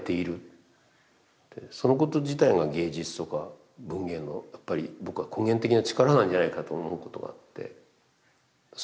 そのこと自体が芸術とか文芸のやっぱり僕は根源的な力なんじゃないかと思うことがあってそれを感じます